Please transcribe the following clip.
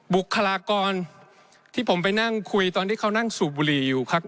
บุคลากรที่ผมไปนั่งคุยตอนที่เขานั่งสูบบุหรี่อยู่ครับ